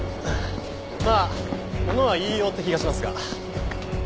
まあものは言いようって気がしますが。